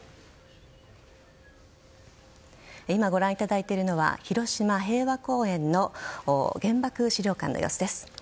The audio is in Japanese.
今、ご覧いただいているのは広島・平和公園の原爆資料館の様子です。